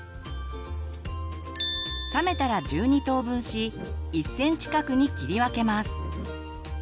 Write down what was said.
冷めたら１２等分し１センチ角に切り分けます。